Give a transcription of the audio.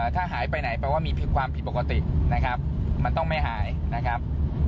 ถ้าหายไปไหนแปลว่ามีความผิดปกตินะครับมันต้องไม่หายนะครับ